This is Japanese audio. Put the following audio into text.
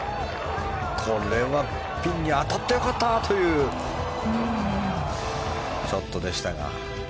これはピンに当たってよかったというショットでしたが。